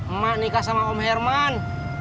emak nikah sama om herman